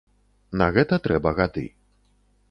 На гэта трэба гады.